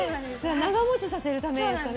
長持ちさせるためですかね。